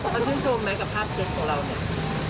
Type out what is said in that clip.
มันชุดชมไหมกับภาพเซ็ตของเรา